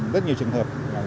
rất nhiều trường hợp